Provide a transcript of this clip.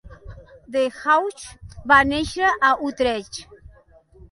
De Heusch va néixer a Utrecht.